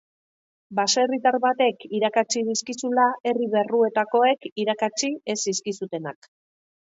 Baserritar batek irakatsi dizkizula herri barruetakoek irakatsi ez zizkizutenak.